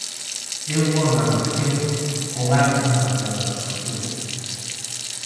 É un órgano pequeno con alta capacidade de absorción.